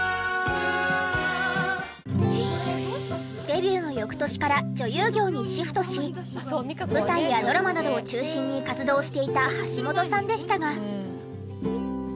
デビューの翌年から女優業にシフトし舞台やドラマなどを中心に活動していた橋本さんでしたが。